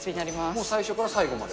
もう最初から最後まで？